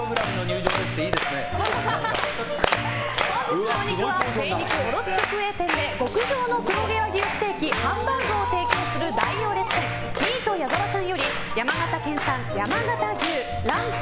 本日のお肉は精肉卸直営店で極上の黒毛和牛ステーキハンバーグを提供する大行列店ミート矢澤さんより山形県産山形牛ランプ